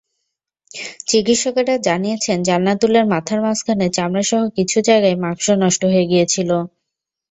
চিকিৎসকেরা জানিয়েছেন, জান্নাতুলের মাথার মাঝখানে চামড়াসহ কিছু জায়গার মাংস নষ্ট হয়ে গিয়েছিল।